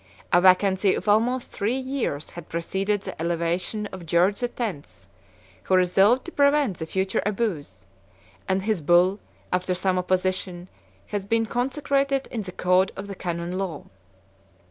A vacancy of almost three years had preceded the elevation of George the Tenth, who resolved to prevent the future abuse; and his bull, after some opposition, has been consecrated in the code of the canon law.